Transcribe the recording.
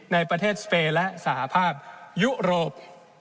ในประเทศสเปย์และสหภาพยุโรป